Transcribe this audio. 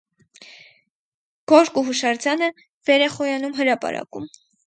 Գորկու հուշարձանը վեր է խոյանում հրապարակում։